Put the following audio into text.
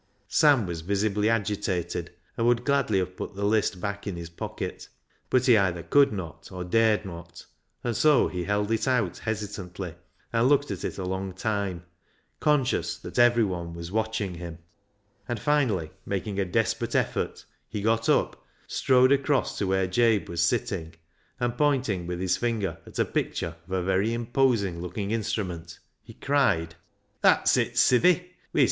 Sam was visibly agitated, and would gladly have put the list back in his pocket, but he either could not or dared not, and so he held it out hesitantly and looked at it a long time, conscious that everyone was watching him, and finally, making a desperate effort, he got up, strode across to where Jabe was sitting, and, pointing with his finger at a picture of a very imposing looking instrument, he cried — THE HARMONIUM 335 " That's it, sithi.